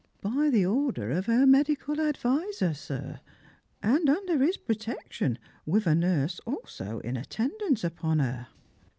" By the border of her medical adviser, sir, and under his pro tection, with a nurse halso in attendance upon her."